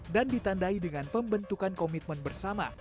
dan ditandai dengan pembentukan komitmen bersama